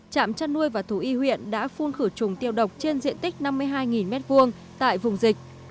trạm chăn nuôi và thú y huyện đã phun khử trùng tiêu độc trên diện tích năm mươi hai m hai tại vùng dịch